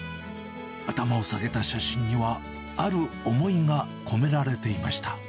頭を下げた写真にはある思いが込められていました。